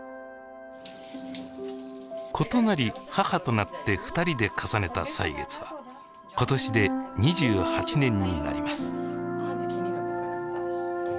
子となり母となって二人で重ねた歳月は今年で２８年になります。